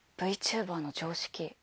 ＶＴｕｂｅｒの常識。